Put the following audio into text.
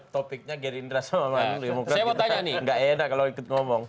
topiknya geri indra sama manung